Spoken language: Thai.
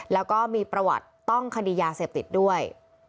แล้วก็มีประวัติต้องคดียาเสพติดด้วย